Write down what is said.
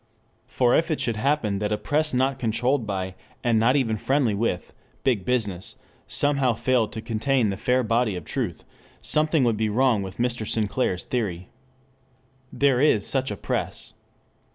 For if it should happen that a press not controlled by, and not even friendly with, Big Business somehow failed to contain the fair body of truth, something would be wrong with Mr. Sinclair's theory. There is such a press.